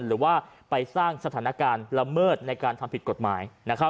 หรือว่าไปสร้างสถานการณ์ละเมิดในการทำผิดกฎหมาย